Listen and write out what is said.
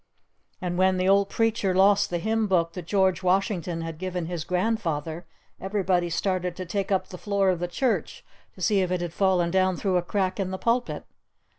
And when the Old Preacher lost the Hymn Book that George Washington had given his grandfather, everybody started to take up the floor of the church to see if it had fallen down through a crack in the pulpit!